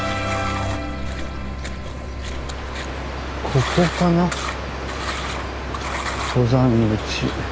ここかな登山口。